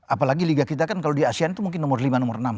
apalagi liga kita kan kalau di asean itu mungkin nomor lima nomor enam